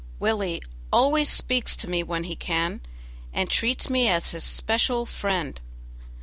Willie always speaks to me when he can, and treats me as his special friend.